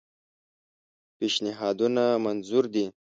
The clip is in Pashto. پېشنهادونه منظور دي.